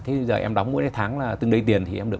thế giờ em đóng mỗi tháng là từng đầy tiền thì em được